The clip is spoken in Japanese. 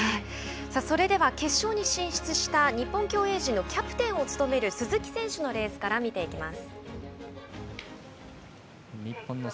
それでは決勝に進出した日本競泳陣のキャプテンを務める鈴木選手のレースから見ていきます。